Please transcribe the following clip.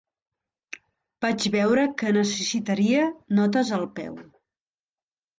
Vaig veure que necessitaria notes al peu.